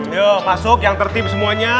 ayo masuk yang tertip semuanya